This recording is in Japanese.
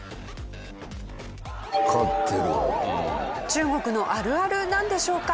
中国のあるあるなんでしょうか？